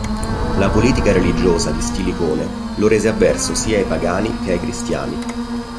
La politica religiosa di Stilicone lo rese avverso sia ai pagani che ai cristiani.